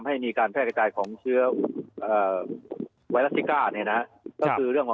รวมกันระหว่างหมาไทยกับสาศุกร์